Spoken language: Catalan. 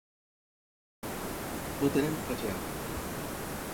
No tenen flagel.